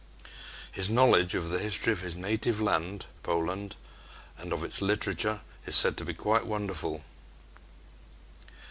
His knowledge of the history of his native land, Poland, and of its literature is said to be quite wonderful.